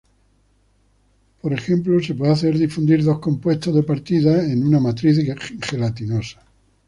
Por ejemplo, se puede hacer difundir dos compuestos de partida en una matriz gelatinosa.